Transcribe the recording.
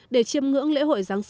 để chiêm ngưỡng lễ hội giáng sinh